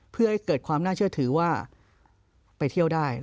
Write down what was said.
เพื่อให้เกิดความน่าเชื่อถือว่าไปเที่ยวได้